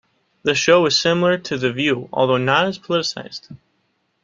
The show is similar to "The View" although not as politicized.